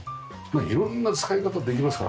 いろんな使い方できますからね。